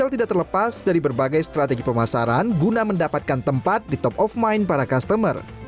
hal tidak terlepas dari berbagai strategi pemasaran guna mendapatkan tempat di top of mind para customer